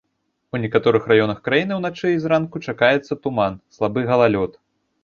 У некаторых раёнах краіны ўначы і зранку чакаюцца туман, слабы галалёд.